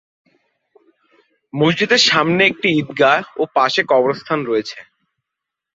মসজিদটির সামনে একটি ঈদগাহ ও পাশে কবরস্থান রয়েছে।